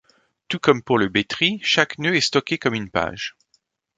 Tout comme pour le B-tree, chaque nœud est stocké comme une page.